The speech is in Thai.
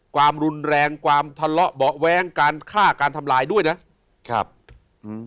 ความรุนแรงความทะเลาะเบาะแว้งการฆ่าการทำลายด้วยนะครับอืม